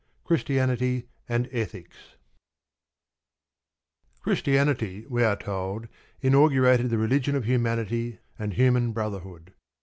CHRISTIANITY AND ETHICS Christianity, we are told, inaugurated the religion of humanity and human brotherhood.